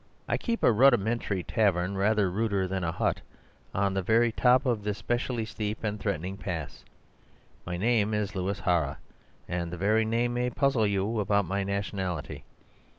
I keep a rudimentary tavern, rather ruder than a hut, on the very top of this specially steep and threatening pass. My name is Louis Hara, and the very name may puzzle you about my nationality.